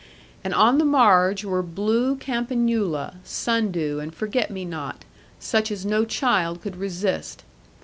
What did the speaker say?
And on the marge were blue campanula, sundew, and forget me not, such as no child could resist.